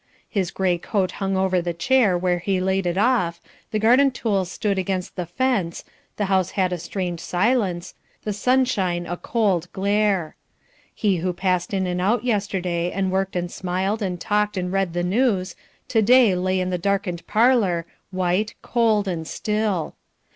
His grey coat hung over the chair where he laid it off, the garden tools stood against the fence, the house had a strange silence, the sunshine a cold glare. He who passed in and out yesterday, and worked and smiled and talked and read the news, to day lay in the darkened parlour white, cold, and still.